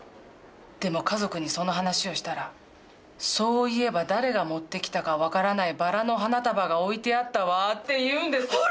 でも家族にその話をしたら「そういえば誰が持ってきたか分からないバラの花束が置いてあったわ」って言うんです！